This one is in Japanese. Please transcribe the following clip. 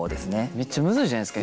めっちゃむずいじゃないですか。